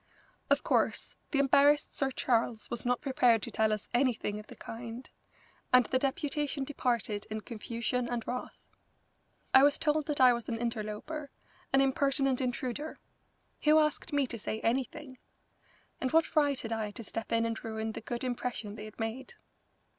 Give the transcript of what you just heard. Of course, the embarrassed Sir Charles was not prepared to tell us anything of the kind, and the deputation departed in confusion and wrath. I was told that I was an interloper, an impertinent intruder. Who asked me to say anything? And what right had I to step in and ruin the good impression they had made?